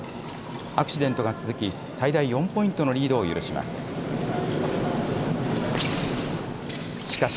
アクシデントが続き、最大４ポイントのリードを許します。